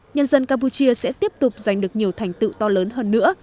nhân dân campuchia sẽ tiếp tục giành được nhiều thành tựu to lớn hơn nữa